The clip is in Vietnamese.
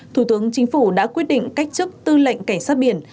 thủ tướng chính phủ đã quyết định cách chức tư lệnh cảnh sát biển